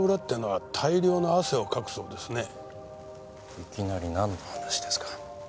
いきなり何の話ですか？